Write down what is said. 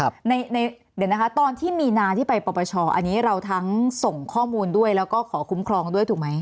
เดี๋ยวนะคะตอนที่มีนาที่ไปปรปชอันนี้เราทั้งส่งข้อมูลด้วยแล้วก็ขอคุ้มครองด้วยถูกไหม